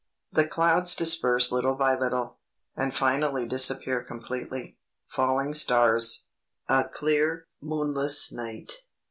The clouds disperse little by little, and finally disappear completely. Falling stars. A clear, moonless night.